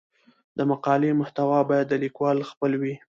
د مقالې محتوا باید د لیکوال خپل وي.